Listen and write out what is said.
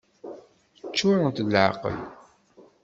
Ččurent d leεqel!